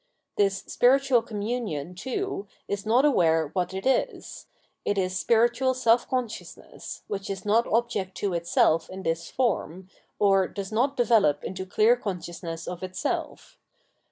This spiritual communion, too, is not aware what it is ; it is spiritual self consciousness, which is not object to itself in this form, or does not develop into clear conscious ness of itself.